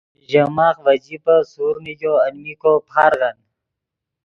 ژے ماخ ڤے جیبف سورڤ نیگو المین کو پارغن